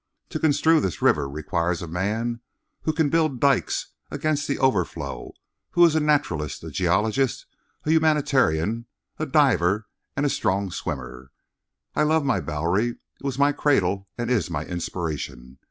To construe this river requires a man who can build dykes against the overflow, who is a naturalist, a geologist, a humanitarian, a diver and a strong swimmer. I love my Bowery. It was my cradle and is my inspiration.